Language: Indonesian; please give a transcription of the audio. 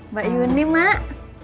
mbak yuni mak